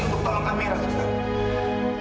untuk tolong amira suster